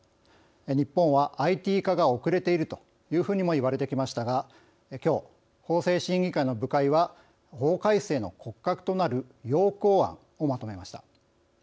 日本は、ＩＴ化が遅れているというふうにもいわれてきましたがきょう、法制審議会の部会は法改正の骨格となる要綱案をまとめました。